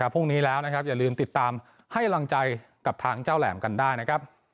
พรุ่งนี้แล้วอย่าลืมติดตามให้รังใจกับทางเจ้าแหลมกันได้